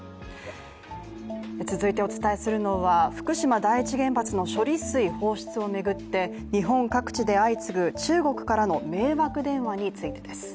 続いてお伝えするのは福島第一原発の処理水放出を巡って日本各地で相次ぐ中国からの迷惑電話についてです。